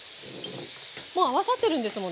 もう合わさってるんですもんね。